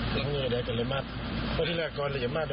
กูเกาะชูและเลียน